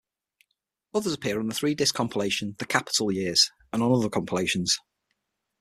Others appear on the three-disc compilation "The Capitol Years" and on other compilations.